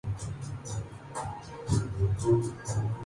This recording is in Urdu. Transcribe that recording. ہاروی وائنسٹن نے کیٹ بلینشٹ کو بھی جنسی طور پر ہراساں کیا